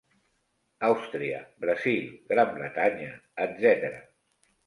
Àustria, Brasil, Gran Bretanya, etc.